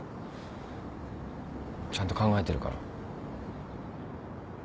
ちゃんと考えてるから。